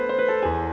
gak ada apa apa